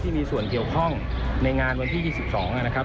มีส่วนเกี่ยวข้องในงานวันที่๒๒นะครับ